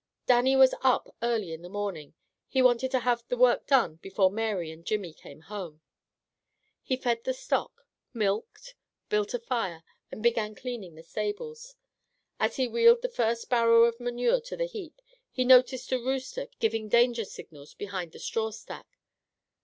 Dannie was up early in the morning. He wanted to have the work done before Mary and Jimmy came home. He fed the stock, milked, built a fire, and began cleaning the stables. As he wheeled the first barrow of manure to the heap, he noticed a rooster giving danger signals behind the straw stack.